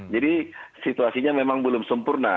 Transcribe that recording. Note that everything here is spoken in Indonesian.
jadi situasinya memang belum sempurna